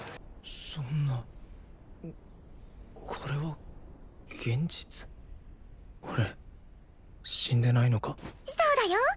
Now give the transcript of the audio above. そんなこれは現実俺死んでないのかそうだよ